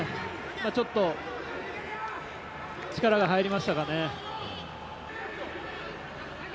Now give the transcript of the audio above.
ちょっと力が入りましたかね。